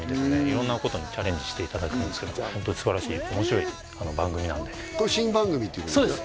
色んなことにチャレンジしていただくんですけどホントにすばらしい面白い番組なんでこれ新番組っていうことですね